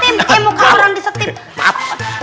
iya muka orang di steam